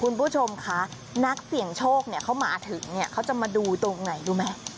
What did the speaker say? คุณผู้ชมคะนักเสี่ยงโชคเนี่ยเขามาถึงเนี่ยเขาจะมาดูตรงไหนรู้ไหม